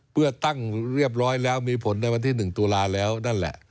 เพื่อตั้งเรียบร้อยแล้วมีผลในวันที่๑ตุลาแล้วนั่นแหละ